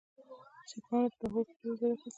سیکهانو په لاهور کې ډېر زور اخیستی دی.